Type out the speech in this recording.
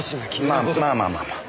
まあまあまあまあまあ。